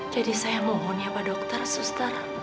jadi saya mohon ya pak dokter sustar